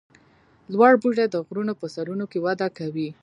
لوړ بوټي د غرونو په سرونو کې وده کوي